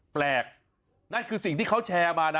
นั่นคือสิ่งที่เขาแชร์มานะ